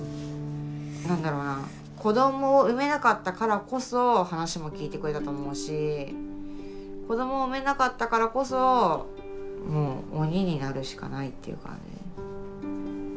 何だろうな子どもを産めなかったからこそ話も聞いてくれたと思うし子どもを産めなかったからこそ鬼になるしかないっていう感じ。